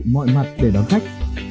mọi mặt để đón khách